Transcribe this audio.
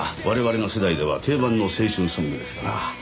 我々の世代では定番の青春ソングですから。